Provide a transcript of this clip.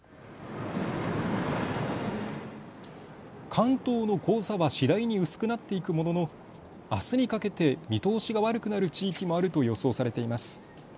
関東の黄砂は次第に薄くなっていくもののあすにかけて見通しが悪くなる地域もあると予想されています。